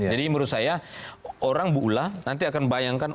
jadi menurut saya orang ibu ullah nanti akan bayangkan